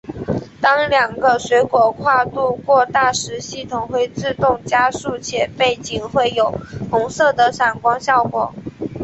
当两个水果跨度过大时系统会自动加速且背景会有红色的闪光效果。